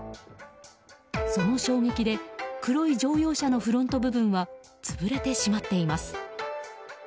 その衝撃で黒い乗用車のフロント部分は潰れてしまっています。